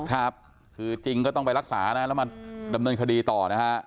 ครับคือจริงก็ต้องไปรักษานะแล้วมาดำเนินคดีต่อนะฮะ